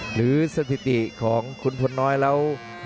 สถิติของคุณพลน้อยแล้ว